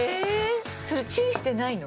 それチンしてないの？